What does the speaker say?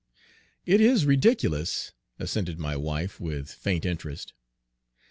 "It is ridiculous," assented my wife, with faint interest.